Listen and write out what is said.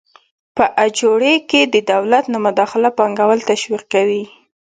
په اجورې کې د دولت نه مداخله پانګوال تشویقوي.